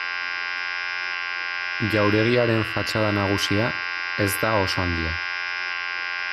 Jauregiaren fatxada nagusia ez da oso handia.